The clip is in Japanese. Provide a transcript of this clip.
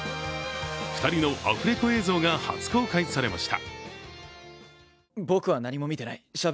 ２人のアフレコ映像が初公開されました。